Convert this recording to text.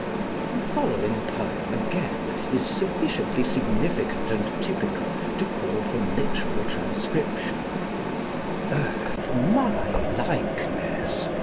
The following poem, again, is sufficiently significant and typical to call for literal transcription: "Earth, my likeness!